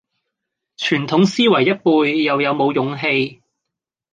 傳統思維一輩又有冇勇氣